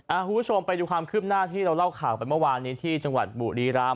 คุณผู้ชมไปดูความคืบหน้าที่เราเล่าข่าวไปเมื่อวานนี้ที่จังหวัดบุรีรำ